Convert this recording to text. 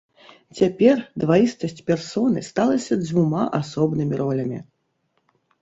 Цяпер дваістасць персоны сталася дзвюма асобнымі ролямі.